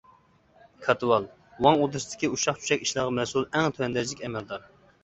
كاتىۋال:ۋاڭ ئوردىسىدىكى ئۇششاق-چۈششەك ئىشلارغا مەسئۇل ئەڭ تۆۋەن دەرىجىلىك ئەمەلدار.